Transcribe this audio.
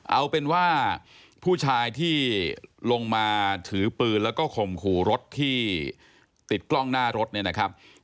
เอาเป็นว่าผู้ชายที่ลงมาถือปืนแล้วก็ข่มขู่รถที่ติดกล้องหน้ารถเนี่ยนะครับ